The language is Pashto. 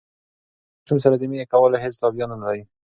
انا له ماشوم سره د مینې کولو هېڅ تابیا نهلري.